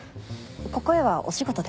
ここへはお仕事で？